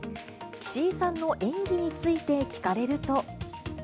岸井さんの演技について聞かれると。